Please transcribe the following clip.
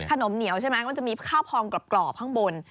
ขนมเหนียวใช่ไหมก็จะมีข้าวพองกรอบข้างบน